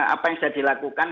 apa yang sudah dilakukan